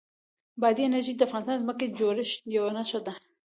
بادي انرژي د افغانستان د ځمکې د جوړښت یوه نښه ده.